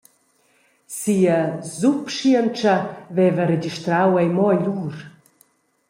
Sia subschientscha veva registrau ei mo agl ur.